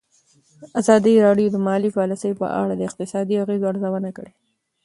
ازادي راډیو د مالي پالیسي په اړه د اقتصادي اغېزو ارزونه کړې.